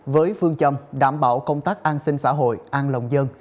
với phương châm đảm bảo công tác an sinh xã hội an lòng dân